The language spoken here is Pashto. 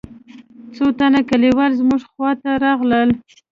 څو تنه كليوال زموږ خوا ته راغلل.